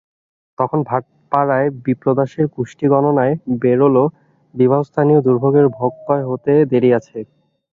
তখন ভাটপাড়ায় বিপ্রদাসের কুষ্ঠিগণনায় বেরোল, বিবাহস্থানীয় দুর্গ্রহের ভোগক্ষয় হতে দেরি আছে।